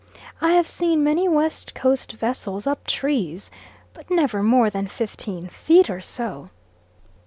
I have seen many West Coast vessels up trees, but never more than fifteen feet or so.